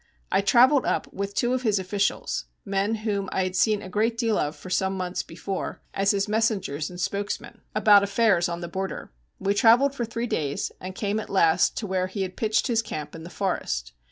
I travelled up with two of his officials, men whom I had seen a good deal of for some months before, as his messengers and spokesmen, about affairs on the border. We travelled for three days, and came at last to where he had pitched his camp in the forest.